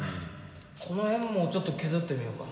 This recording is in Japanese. この辺もちょっと削ってみよか。